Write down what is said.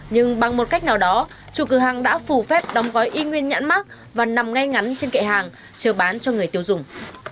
nhưng bằng một cách nào đó chủ cửa hàng đã phủ phép đóng gói y nguyên nhãn mát và nằm ngay ngắn trên kệ hàng chờ bán cho người tiêu dùng